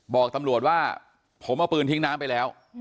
บอกตำรวจว่าผมเอาปืนทิ้งน้ำไปแล้ว